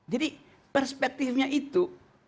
jadi perspektifnya itu